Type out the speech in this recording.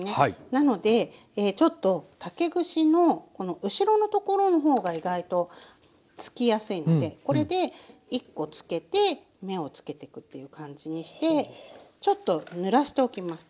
なのでちょっと竹串のこの後ろのところの方が意外とつきやすいのでこれで１コつけて目をつけてくっていう感じにしてちょっとぬらしておきます